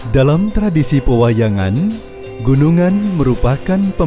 dalam tradisi pewayangan gunungan merupakan sebuah kota yang berbeda